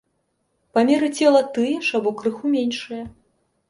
Памеры цела тыя ж або крыху меншыя.